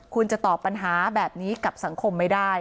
คุณจะตอบปัญหาแบบนี้กับสังคมไม่ได้